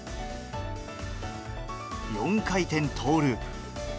４回転トーループ。